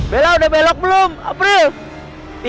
bella udah belok belum april